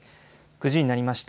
９時になりました。